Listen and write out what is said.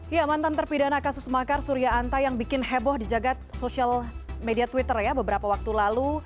ya mantan terpidana kasus makar surya anta yang bikin heboh di jagad social media twitter ya beberapa waktu lalu